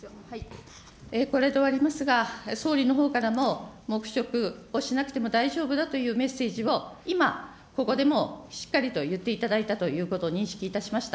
これで終わりますが、総理のほうからも黙食をしなくても大丈夫だというメッセージを今、ここでもうしっかり言っていただいたということを認識いたしました。